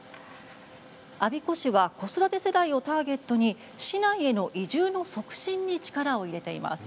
我孫子市は子育て世代をターゲットに市内への移住の促進に力を入れています。